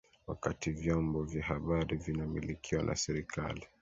wakati vyombo vya habari vinamilikiwa na serikali